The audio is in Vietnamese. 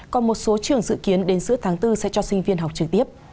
còn một số trường dự kiến đến giữa tháng bốn sẽ cho sinh viên học trực tiếp